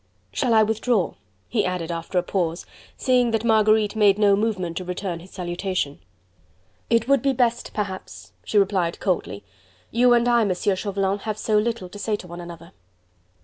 "Shall I withdraw?" he added after a pause, seeing that Marguerite made no movement to return his salutation. "It would be best, perhaps," she replied coldly. "You and I, Monsieur Chauvelin, have so little to say to one another."